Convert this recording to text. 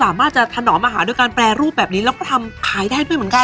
แล้วเราก็สามารถทำหนอมาหาด้วยการแปรรูปแบบนี้แล้วก็ทำขายได้ด้วยเหมือนกัน